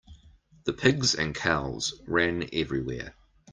The pigs and cows ran everywhere.